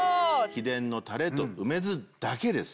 秘伝のタレと梅酢だけです。